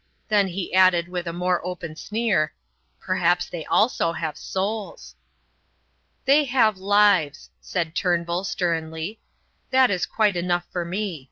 Then he added with a more open sneer: "Perhaps they also have souls." "They have lives!" said Turnbull, sternly; "that is quite enough for me.